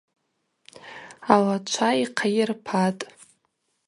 Алачва йхъайырпатӏ.